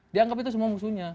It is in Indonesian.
dia anggap itu semua musuhnya